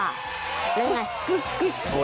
แล้วอย่างไร